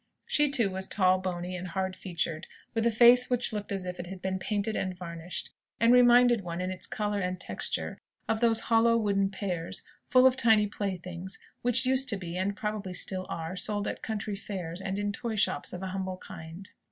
She too was tall, bony, and hard featured; with a face which looked as if it had been painted and varnished, and reminded one, in its colour and texture, of those hollow wooden pears, full of tiny playthings, which used to be and probably still are sold at country fairs, and in toy shops of a humble kind.